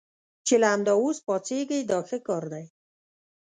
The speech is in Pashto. چې له همدا اوس پاڅېږئ دا ښه کار دی.